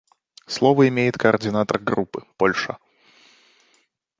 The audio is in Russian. Слово имеет координатор Группы − Польша.